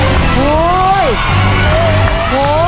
มีทั้งหมด๔จานแล้วนะฮะ